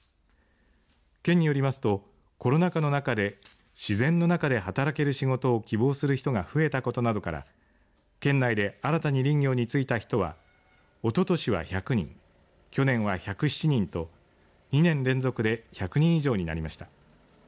県によりますと、コロナ禍の中で自然の中で働ける仕事を希望する人が増えたことなどから県内で新たに林業に就いた人はおととしは１００人去年は１０７人と２年連続で１００人以上になりました。